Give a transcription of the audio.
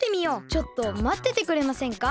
ちょっとまっててくれませんか？